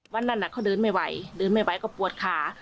วันนั้นเขาเดินไม่ไหวเดินไม่ไหวก็ปวดขา